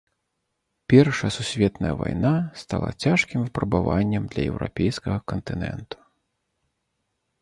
Першая сусветная вайна стала цяжкім выпрабаваннем для еўрапейскага кантыненту.